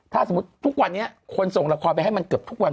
ถ้าสมมุติทุกวันนี้คนส่งละครไปให้มันเกือบทุกวัน